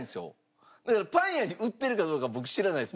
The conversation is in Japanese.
だからパン屋に売ってるかどうか僕知らないです。